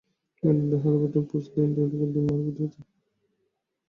মেরুদণ্ডের হাড়ের ভেতর পুঁজ দিনকে দিন আরও বৃদ্ধি পাচ্ছে।